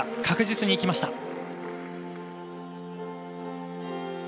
確実にいきました。